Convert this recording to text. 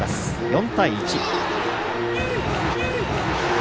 ４対１。